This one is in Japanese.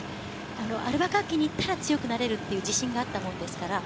アルバカーキに行ったら、強くなれるっていう自信があったもんですから。